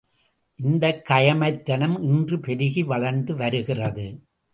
இந்தக் கயமைத் தனம் இன்று பெருகி வளர்ந்து வருகிறது!